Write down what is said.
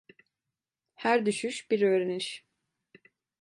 Her düşüş bir öğreniş.